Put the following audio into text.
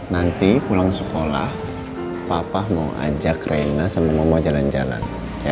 nanti pulang sekolah papa mau ajak rena sama mama jalan jalan